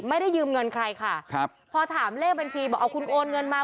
ไม่ได้ยืมเงินใครค่ะครับพอถามเลขบัญชีบอกเอาคุณโอนเงินมา